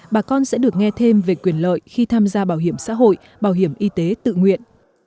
bà con sẽ được nghe thêm về quyền lợi khi tham gia bảo hiểm xã hội bảo hiểm y tế tự nguyện